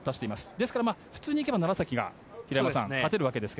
ですから、普通にいけば楢崎が勝てるわけですね。